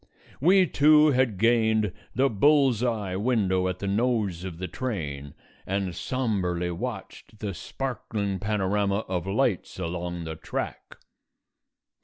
We two had gained the bull's eye window at the nose of the train and sombrely watched the sparkling panorama of lights along the track.